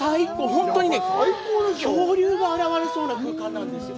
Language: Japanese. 本当にね、恐竜があらわれそうな空間なんですよ。